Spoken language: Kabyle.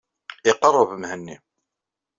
Iqerreb Mhenni.